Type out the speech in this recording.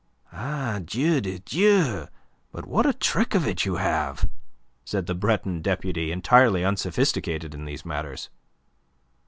"Ah, Dieu de Dieu! But what a trick of it you have," said the Breton deputy, entirely unsophisticated in these matters.